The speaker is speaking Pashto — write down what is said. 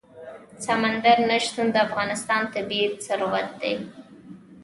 سمندر نه شتون د افغانستان طبعي ثروت دی.